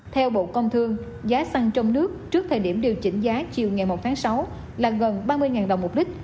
theo bộ công thương giá xăng trong nước trước thời điểm điều chỉnh giá chiều ngày một tháng sáu là gần ba mươi đồng một lít